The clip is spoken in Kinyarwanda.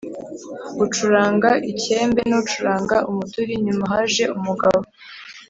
ucuranga ikembe n’ucuranga umuduri. nyuma haje umugabo